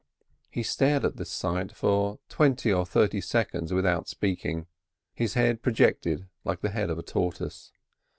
He stared at this sight for twenty or thirty seconds without speaking, his head projected like the head of a tortoise.